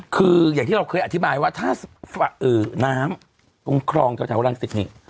คืออย่างที่เราเคยอธิบายว่าถ้าน้ำตรงคลองแถวรังสิตนี่